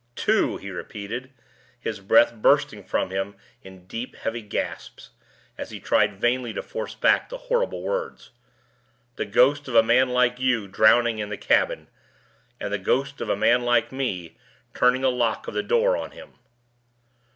"Two!" he repeated, his breath bursting from him in deep, heavy gasps, as he tried vainly to force back the horrible words. "The ghost of a man like you, drowning in the cabin! And the ghost of a man like me, turning the lock of the door on him!"